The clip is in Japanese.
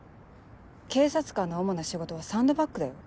警察官の主な仕事はサンドバッグだよ。